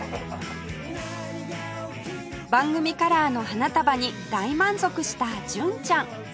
番組カラーの花束に大満足した純ちゃん